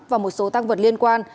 và một số tăng vật liên quan